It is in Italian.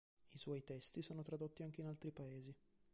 I suoi testi sono tradotti anche in altri paesi.